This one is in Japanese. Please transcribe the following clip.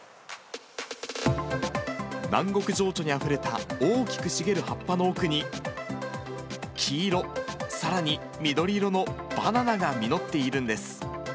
南国情緒にあふれた大きく茂る葉っぱの奥に、黄色、さらに緑色のバナナが実っているんです。